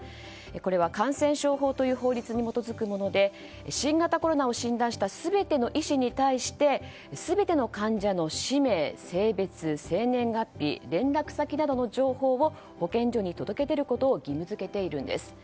これは感染症法という法律に基づくもので新型コロナを診断した全ての医師に対して全ての患者の氏名、性別、生年月日連絡先などの情報を保健所に届け出ることを義務付けているんです。